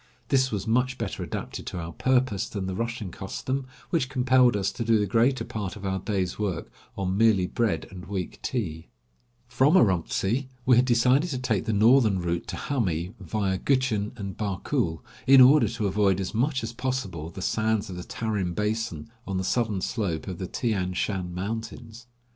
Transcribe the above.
This was much better adapted to our purpose than the Russian 154 Across Asia on a Bicycle A MAID OF WESTERN CHINA. custom, which compelled us to do the greater part of our day's work on merely bread and weak tea. I 175 l From Urumtsi we had decided to take the northern route to Hami, via Gutchen and Barkul, in order to avoid as much as possible the sands of the Tarim basin on the southern slope of the Tian Shan mountains.